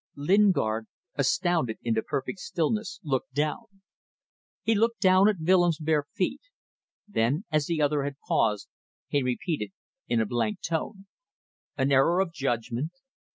Lingard, astounded into perfect stillness, looked down. He looked down at Willems' bare feet. Then, as the other had paused, he repeated in a blank tone "An error of judgment